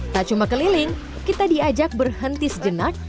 tak cuma keliling kita diajak berhenti sejenak